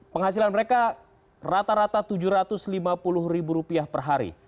penghasilan mereka rata rata tujuh ratus lima puluh ribu rupiah per hari